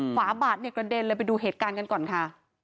ขวาบาดเนี่ยกระเด็นเลยไปดูเหตุการณ์กันก่อนค่ะ